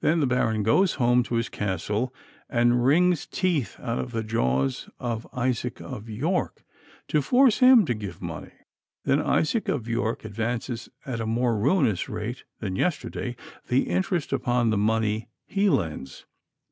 Then the baron goes home to his castle and wrings teeth out of the jaws of Isaac of York, to force him to give money. Then Isaac of York advances at a more ruinous rate than yesterday the interest upon the money he lends.